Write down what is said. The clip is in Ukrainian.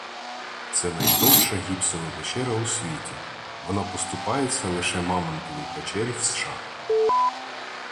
Це найдовша гіпсова печера у світі, вона поступається лише Мамонтовій печері в США